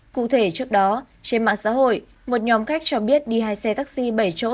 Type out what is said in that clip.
cụ thể trước đó trên mạng xã hội một nhóm khách cho biết đi hai xe taxi bảy chỗ